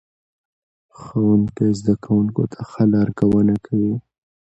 ښوونکی زده کوونکو ته ښه لارښوونه کوي